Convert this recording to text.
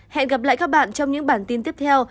hẹn gặp lại các bạn trong những bản tin tiếp theo